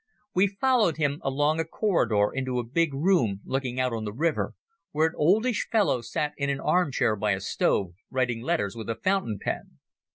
We followed him along a corridor into a big room looking out on the river, where an oldish fellow sat in an arm chair by a stove, writing letters with a fountain pen.